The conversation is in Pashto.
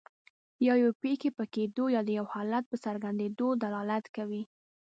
یا یوې پېښې په کیدو یا د یو حالت په راڅرګندیدو دلالت کوي.